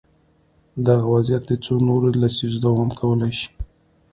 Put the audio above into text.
دغه وضعیت د څو نورو لسیزو دوام کولای شي.